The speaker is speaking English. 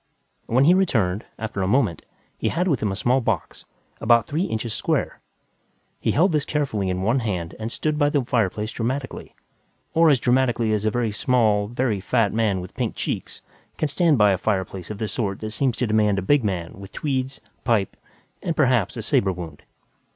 When he returned, after a moment, he had with him a small box, about three inches square. He held this carefully in one hand and stood by the fireplace dramatically or as dramatically as a very small, very fat man with pink cheeks can stand by a fireplace of the sort that seems to demand a big man with tweeds, pipe and, perhaps, a saber wound.